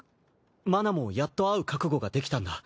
麻奈もやっと会う覚悟ができたんだ。